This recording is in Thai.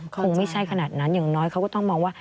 คงไม่ใช่ขนาดนั้นอย่างน้อยเขาก็ต้องมองว่า